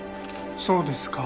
そうですか。